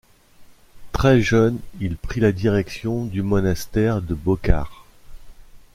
Très jeune, il prit la direction du monastère de Bokar.